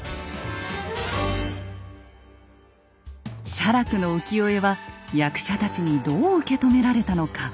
写楽の浮世絵は役者たちにどう受け止められたのか。